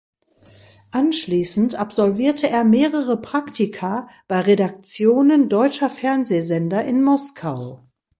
Anschließend absolvierte er mehrere Praktika bei Redaktionen deutscher Fernsehsender in Moskau.